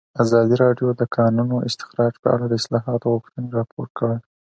ازادي راډیو د د کانونو استخراج په اړه د اصلاحاتو غوښتنې راپور کړې.